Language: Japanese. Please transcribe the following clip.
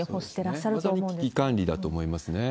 しゃまさに危機管理だと思います